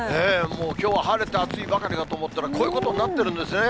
もうきょうは晴れて暑いばかりだと思ったら、こういうことになってるんですね。